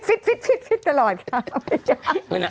ฟิตตลอดค่ะ